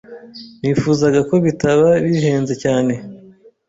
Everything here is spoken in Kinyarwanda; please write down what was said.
Nifuzaga ko bitaba bihenze cyane.